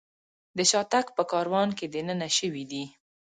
د شاتګ په کاروان کې دننه شوي دي.